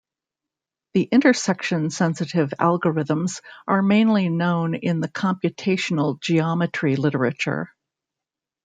The intersection-sensitive algorithms are mainly known in the computational-geometry literature.